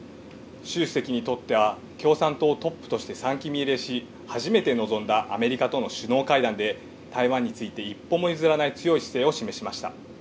習主席にとっては、共産党トップとして３期目入りし、初めて臨んだアメリカとの首脳会談で、台湾について一歩も譲らない強い姿勢を示しました。